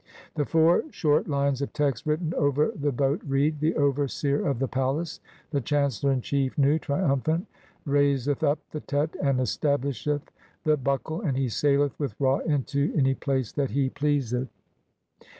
The four short lines of text written over the boat read :— The overseer of the palace, the chancellor in chief, Nu, triumphant, raiseth up the Tet, and stablisheth the Buckle, and he saileth with Ra into any place that he pleaseth.